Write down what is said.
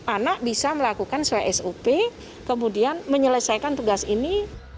anak bisa melakukan suai sup kemudian menyelesaikan tugas ini